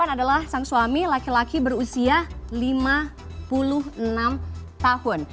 yang adalah sang suami laki laki berusia lima puluh enam tahun